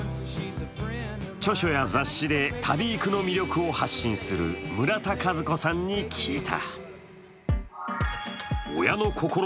著書や雑誌で旅育の魅力を発信する村田和子さんに聞いた。